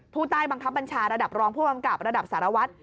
ภูตายบังคับบัญชาระดับรองผู้บังกลับระดับสารวัฒน์